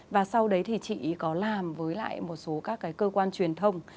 và sau đấy thì chị có làm với lại một số các cái cơ quan truyền thông